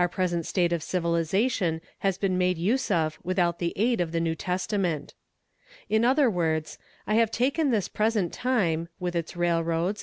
sent state of civilization 1 as been made use of without the aid ot the New lestament. In other words, I have taken th," present fame, with its :uilroads.